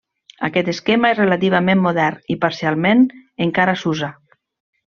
Aquest esquema és relativament modern i parcialment encara s'usa.